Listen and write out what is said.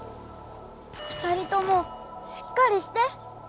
２人ともしっかりして。